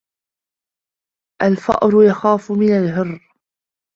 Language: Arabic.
الْفَأْرُ يَخَافُ مِنَ الْهِرِّ.